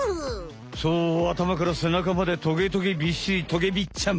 そうあたまからせなかまでトゲトゲびっしりトゲびっちゃん。